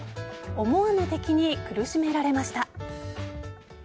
思わぬ敵に苦しめられました。